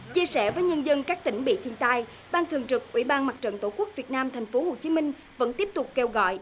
chia sẻ với nhân dân các tỉnh bị thiên tai ban thường trực ủy ban mặt trận tổ quốc việt nam tp hcm vẫn tiếp tục kêu gọi